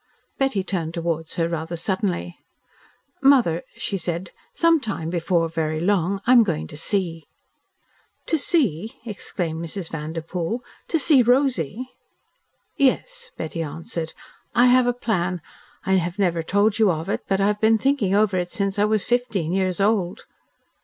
Betty turned towards her rather suddenly. "Mother," she said, "sometime, before very long, I am going to see." "To see!" exclaimed Mrs. Vanderpoel. "To see Rosy!" "Yes," Betty answered. "I have a plan. I have never told you of it, but I have been thinking over it ever since I was fifteen years old."